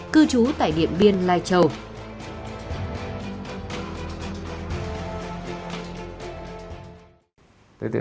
cư trú tại điện biên lai châu